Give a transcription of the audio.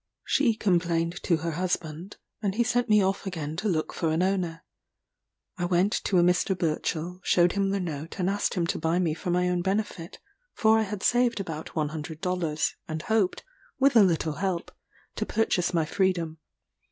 She complained to her husband, and he sent me off again to look for an owner. I went to a Mr. Burchell, showed him the note, and asked him to buy me for my own benefit; for I had saved about 100 dollars, and hoped, with a little help, to purchase my freedom.